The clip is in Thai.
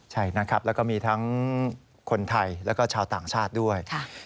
ใช่นะครับแล้วก็มีทั้งคนไทยแล้วก็ชาวต่างชาติด้วย